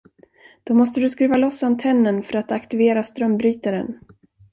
Då måste du skruva loss antennen för att aktivera strömbrytaren.